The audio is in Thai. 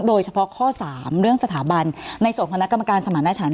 โดยเฉพาะข้อ๓เรื่องสถาบันในส่วนของคณะกรรมการสมรรถฉัน